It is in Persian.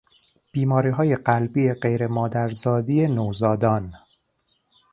بیماریهای قلبی غیرمادرزادی نوزادان